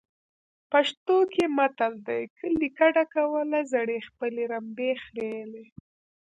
پښتو کې متل دی. کلی کډه کوله زړې خپلې رمبې خریلې.